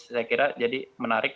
saya kira jadi menarik